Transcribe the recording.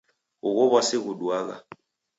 Ugho w'asi ghuduagha.